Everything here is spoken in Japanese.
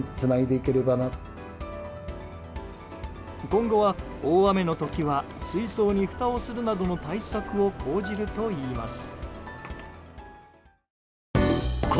今後は、大雨の時は水槽にふたをするなどの対策を講じるといいます。